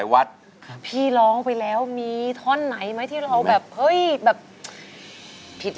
วัดระคังถูกวัด